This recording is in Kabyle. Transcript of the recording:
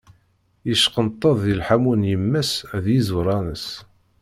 Yeckenṭeḍ di lḥammu n yemma-s d yiẓuṛan-is.